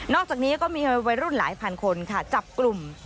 นอกจากนี้ก็มีรุ่นหลายพันคนจับกลุ่ม